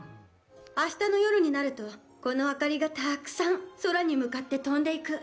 明日の夜になると、この明かりがたくさん空に向かって飛んでいく。